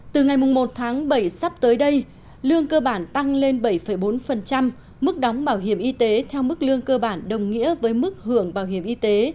từ ngày một tháng bảy sắp tới đây lương cơ bản tăng lên bảy bốn mức đóng bảo hiểm y tế theo mức lương cơ bản đồng nghĩa với mức hưởng bảo hiểm y tế